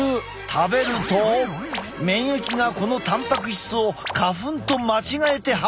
食べると免疫がこのたんぱく質を花粉と間違えて反応！